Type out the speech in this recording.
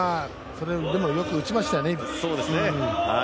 それでも、よく打ちましたよね。